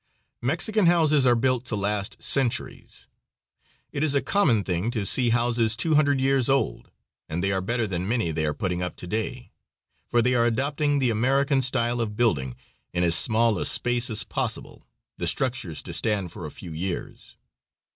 Mexican houses are built to last centuries. It is a common thing to see houses two hundred years old, and they are better than many they are putting up to day, for they are adopting the American style of building in as small a space as possible, the structures to stand for a few years.